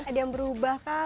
ada yang berubah kah